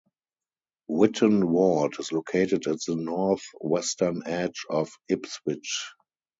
Whitton Ward is located at the north western edge of Ipswich.